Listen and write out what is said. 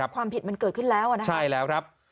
ความผิดมันเกิดขึ้นแล้ว